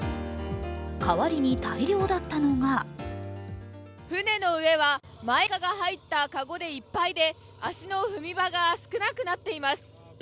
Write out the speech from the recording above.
代わりに大量だったのが船の上はマイカが入った籠でいっぱいで、足の踏み場が少なくなっています。